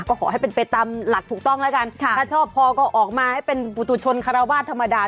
ก็ขอให้เป็นไปตามหลักถูกต้องแล้วกันถ้าชอบพอก็ออกมาให้เป็นปุตุชนคาราวาสธรรมดา